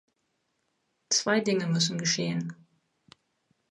Zwei Dinge müssen geschehen.